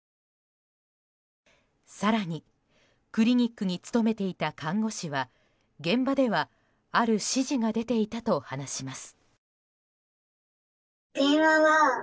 更に、クリニックに勤めていた看護師は、現場ではある指示が出ていたと話します。